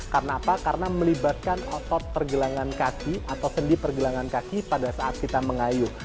karena apa karena melibatkan otot pergelangan kaki atau sendi pergelangan kaki pada saat kita mengayuh